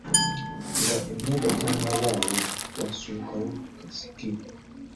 Nga embaga tennabaawo, wasookawo kasiki.